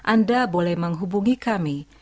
anda boleh menghubungi kami